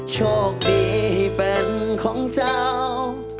โชคดีเป็นของเจ้า